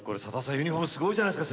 ユニフォームすごいじゃないですか！